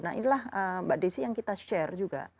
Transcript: nah inilah mbak desi yang kita share juga